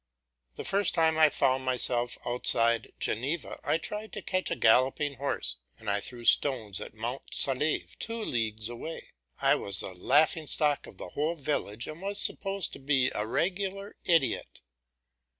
The first time I found myself outside Geneva I tried to catch a galloping horse, and I threw stones at Mont Saleve, two leagues away; I was the laughing stock of the whole village, and was supposed to be a regular idiot.